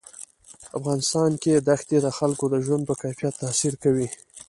په افغانستان کې ښتې د خلکو د ژوند په کیفیت تاثیر کوي.